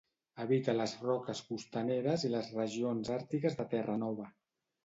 Habita les roques costaneres i les regions àrtiques de Terranova.